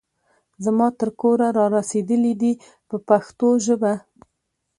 زما تر کوره را رسېدلي دي په پښتو ژبه.